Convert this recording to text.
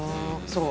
「そう。